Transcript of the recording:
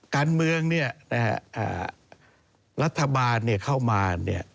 การเมืองเนี่ยรัฐบาลเข้ามาเนี่ย